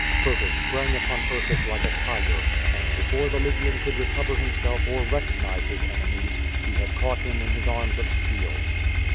Croto sprang upon Ursus like a tiger, and before the Lygian could recover himself or recognise his enemies, he had caught him in his arms of steel.